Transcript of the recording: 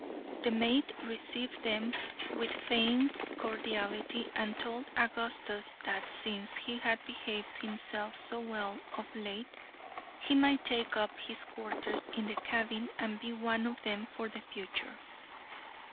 The mate received them with feigned cordiality, and told Augustus that, since he had behaved himself so well of late, he might take up his quarters in the cabin and be one of them for the future.